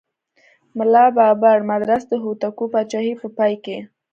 ملا بابړ مدرس د هوتکو پاچاهۍ په پای کې.